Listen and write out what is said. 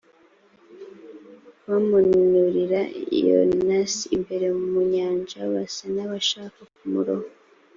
bamanurira yonasi imbere mu nyanja basa n’ abashaka kumuroha